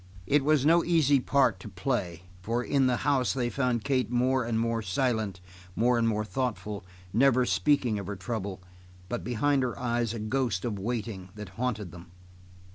It was no easy part to play, for in the house they found Kate more and more silent, more and more thoughtful, never speaking of her trouble, but behind her eyes a ghost of waiting that haunted them.